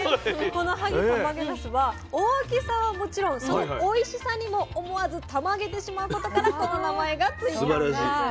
この萩たまげなすは大きさはもちろんそのおいしさにも思わずたまげてしまうことからこの名前が付いたんです。